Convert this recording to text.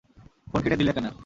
Phone কেটে দিল কেন?